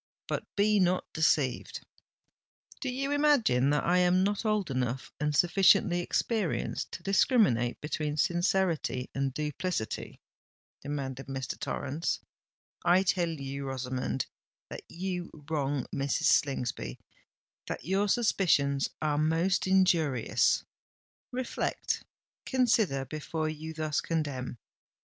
But be not deceived——" "Do you imagine that I am not old enough and sufficiently experienced to discriminate between sincerity and duplicity?" demanded Mr. Torrens. "I tell you, Rosamond, that you wrong Mrs. Slingsby—that your suspicions are most injurious! Reflect—consider before you thus condemn!